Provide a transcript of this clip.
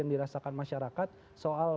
yang dirasakan masyarakat soal